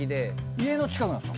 家の近くなんですか？